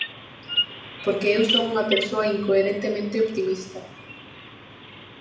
Porque eu son unha persoa incoherentemente optimista.